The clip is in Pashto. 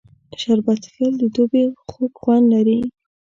شربت څښل د دوبي خوږ خوند لري